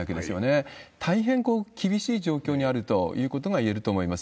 これ、大変厳しい状況であるということがいえると思います。